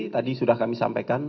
tadi sudah kami sampaikan